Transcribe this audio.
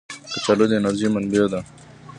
کچالو د انرژۍ منبع ده